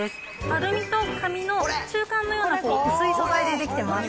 アルミと紙の中間のような薄い素材で出来てます。